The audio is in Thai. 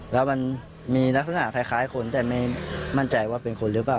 แล้วมันมีลักษณะคล้ายคนแต่ไม่มั่นใจว่าเป็นคนหรือเปล่า